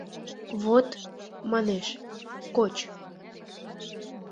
Вот, манеш, коч.